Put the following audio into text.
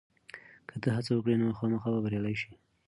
که ته هڅه وکړې، نو خامخا به بریالی شې.